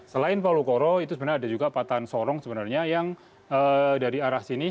selain palu koro itu sebenarnya ada juga patahan sorong sebenarnya yang dari arah sini